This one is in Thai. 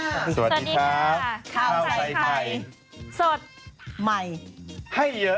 สวัสดีค่ะสวัสดีค่ะข้าวใจไข่สดใหม่ให้เยอะ